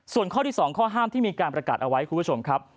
ส่วนข้อที่๒ข้อห้ามที่มีการประกาศเอาไว้คุณผู้ชมครับ